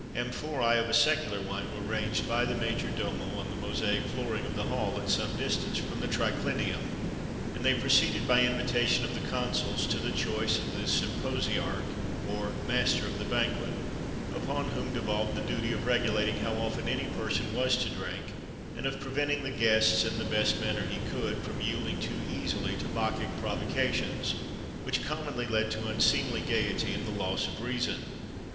Amphoræ of a secular wine were ranged by the major domo on the mosaic flooring of the hall, at some distance from the triclinium, and they proceeded, by the invitation of the consuls, to the choice of the symposiarch (or master of the banquet), upon whom devolved the duty of regulating how often any person was to drink, and of preventing the guests, in the best manner he could, from yielding too easily to bacchic provocations, which commonly led to unseemly gaiety and the loss of reason.